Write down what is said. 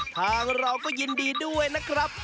ทางเราก็ยินดีด้วยนะครับ